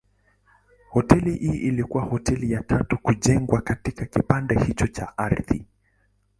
Hoteli hii ilikuwa hoteli ya tatu kujengwa katika kipande hicho cha ardhi.